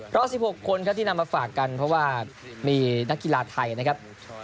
รอบ๑๖คนครับที่นำมาฝากกันเพราะว่ามีนักกีฬาไทยนะครับ